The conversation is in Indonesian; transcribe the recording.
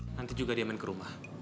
nanti juga dia main ke rumah